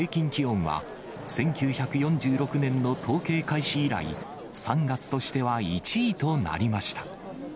北日本と東日本の平均気温は、１９４６年の統計開始以来、３月としては１位となりました。